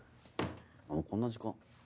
もうこんな時間。